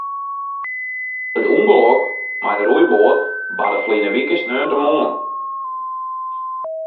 It ûngelok mei de roeiboat barde ferline wike sneontemoarn.